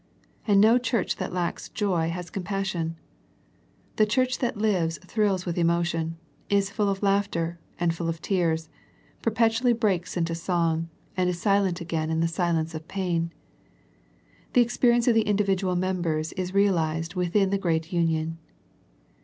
And no church that lacks joy has compassion. The church that lives, thrills with emotion, is full of laughter, and full of tears, perpetually breaks into song, and is silent again in the silence of pain. The experience of the individual members is real ized within the great union.